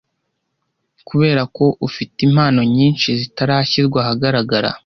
Kuberako ufite impano nyinshi zitarashyirwa ahagaragara.